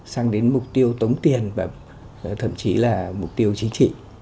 sang đến mục tiêu tống tiền và thậm chí là mục tiêu chính trị